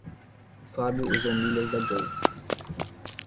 O Fábio usou milhas da Gol.